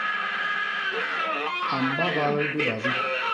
A mbabal bibabi.